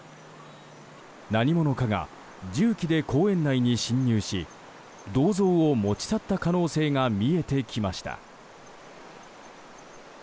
何者かが重機で公園内に侵入し銅像を持ち去った可能性がみえてきました。